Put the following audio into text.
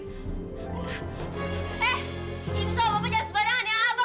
eh si usaha bapak jahat seberangannya apa